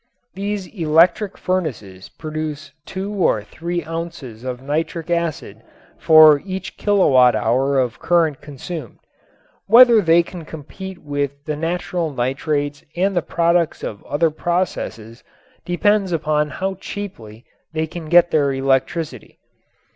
These electric furnaces produce two or three ounces of nitric acid for each kilowatt hour of current consumed. Whether they can compete with the natural nitrates and the products of other processes depends upon how cheaply they can get their electricity.